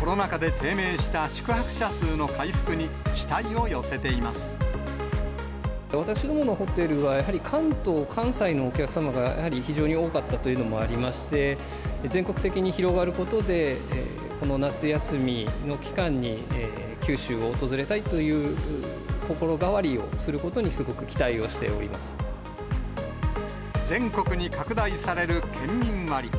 コロナ禍で低迷した宿泊者数私どものホテルは、やはり関東、関西のお客様が、やはり非常に多かったというのもありまして、全国的に広がることで、この夏休みの期間に、九州を訪れたいと、心変わりをすることにすごく期待をしておりま全国に拡大される県民割。